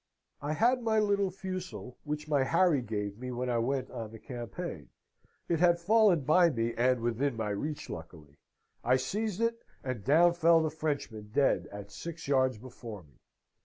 I had my little fusil which my Harry gave me when I went on the campaign; it had fallen by me and within my reach, luckily: I seized it, and down fell the Frenchman dead at six yards before me.